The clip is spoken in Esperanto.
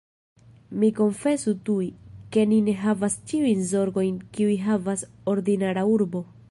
Mi konfesu tuj, ke ni ne havas ĉiujn zorgojn, kiujn havas ordinara urbo.